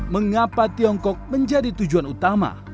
mengapa tiongkok menjadi tujuan utama